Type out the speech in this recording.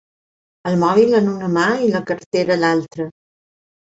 El mòbil en una mà i la cartera a l'altra.